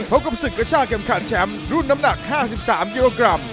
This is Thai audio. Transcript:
พบกับศึกกระชาเข็มขัดแชมป์รุ่นน้ำหนัก๕๓กิโลกรัม